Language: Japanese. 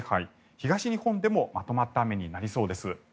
東日本でもまとまった雨になりそうです。